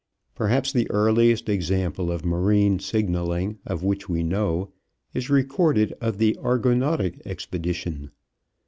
Perhaps the earliest example of marine signaling of which we know is recorded of the Argonautic Expedition.